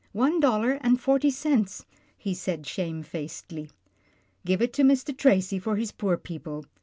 "One dollar and forty cents," he said shamefacedly. " Give it to Mr. Tracy for his poor people.